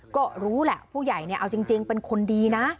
ก็รู้แหละผู้ใหญ่เนี่ยเอาจริงเป็นคนดีนะ